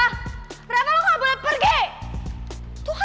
tuh anak bener bener bandel banget ya